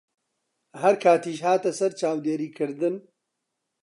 هەر کاتیش هاتە سەر چاودێریکردن